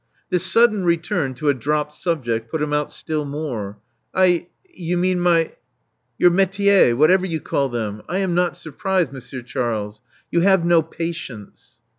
*' This sudden return to a dropped subject put him out still more. *'I — you mean my ? t Your metiers — whatever you call them. I am not surprised. Monsieur Charles. You have no patience.